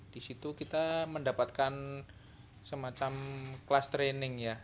di situ kita mendapatkan semacam kelas training ya